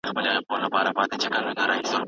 اوښکې تویې کړم